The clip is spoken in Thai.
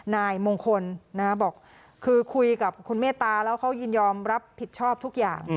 นายมงคลบอกคือคุยกับคุณเมตตาแล้วเขายินยอมรับผิดชอบทุกอย่าง